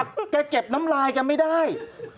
แครกแก่แก็บน้ำลายแกไม่ได้